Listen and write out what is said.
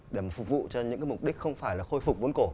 để mà phục vụ cho những cái mục đích không phải là khôi phục vốn cổ